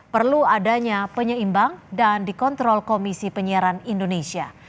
perlu adanya penyeimbang dan dikontrol komisi penyiaran indonesia